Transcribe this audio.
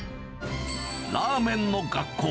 ラーメンの学校。